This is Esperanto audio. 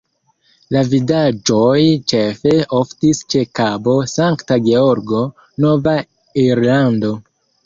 La vidaĵoj ĉefe oftis ĉe Kabo Sankta Georgo, Nova Irlando.